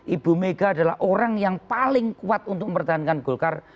ibu mega adalah orang yang paling kuat untuk mempertahankan golkar